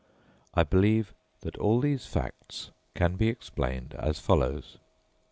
I believe that all these facts can be explained as follows.